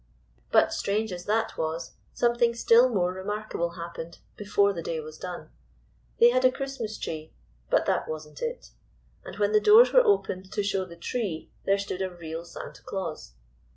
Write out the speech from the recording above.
But, strange as that was, something still more remarkable happened before the day was done. They had a Christmas tree. But that was n't it. And when the doors were opened to show the tree there stood a real Santa Claus.